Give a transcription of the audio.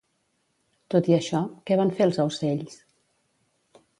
Tot i això, què van fer els aucells?